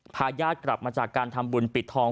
ญาติกลับมาจากการทำบุญปิดทอง